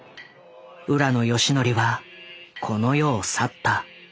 浦野順文はこの世を去った。